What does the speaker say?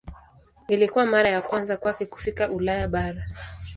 Ilikuwa mara ya kwanza kwake kufika Ulaya bara.